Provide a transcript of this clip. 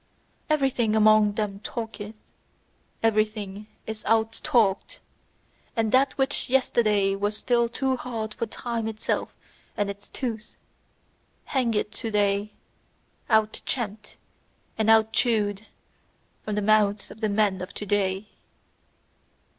Everything among them talketh, everything is out talked. And that which yesterday was still too hard for time itself and its tooth, hangeth to day, outchamped and outchewed, from the mouths of the men of to day.